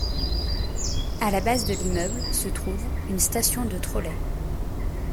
À la base de l'immeuble se trouve une station de trolley.